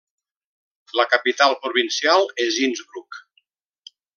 La capital provincial és Innsbruck.